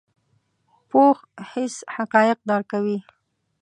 پوخ حس حقایق درک کوي